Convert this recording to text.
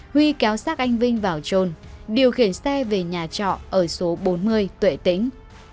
huy kéo xác anh vinh vào trôn điều khiển xe về nhà trọ ở số bốn mươi tuệ tĩnh